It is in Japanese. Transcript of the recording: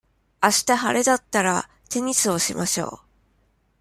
あした晴れだったら、テニスをしましょう。